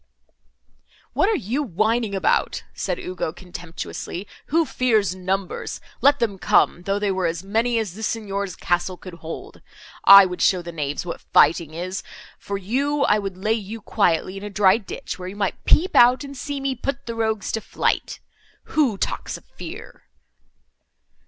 "What are you whining about?" said Ugo, contemptuously, "who fears numbers! Let them come, though they were as many as the Signor's castle could hold; I would show the knaves what fighting is. For you—I would lay you quietly in a dry ditch, where you might peep out, and see me put the rogues to flight.—Who talks of fear!"